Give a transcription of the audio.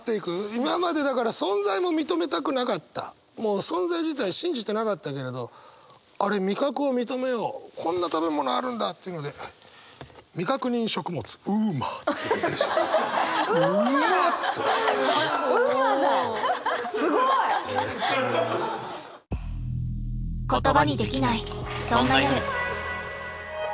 今までだから存在も認めたくなかったもう存在自体信じてなかったけれどあれ味覚を認めようこんな食べ物あるんだっていうのですごい！負けた。